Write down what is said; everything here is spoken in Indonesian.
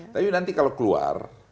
tapi nanti kalau keluar